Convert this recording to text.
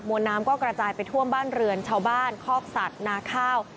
วนน้ำก็กระจายไปท่วมบ้านเรือนชาวบ้านคอกสัตว์นาข้าว